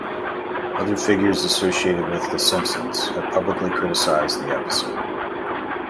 Other figures associated with "The Simpsons" have publicly criticized the episode.